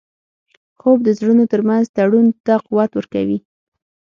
خوب د زړونو ترمنځ تړون ته قوت ورکوي